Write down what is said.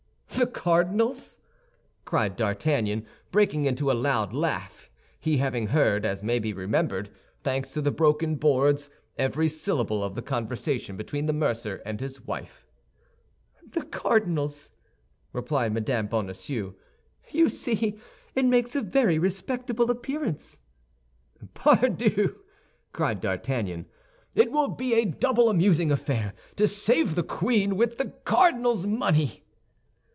"The cardinal's?" cried D'Artagnan, breaking into a loud laugh, he having heard, as may be remembered, thanks to the broken boards, every syllable of the conversation between the mercer and his wife. "The cardinal's," replied Mme. Bonacieux. "You see it makes a very respectable appearance." "Pardieu," cried D'Artagnan, "it will be a double amusing affair to save the queen with the cardinal's money!"